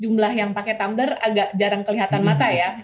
jumlah yang pakai tumbler agak jarang kelihatan mata ya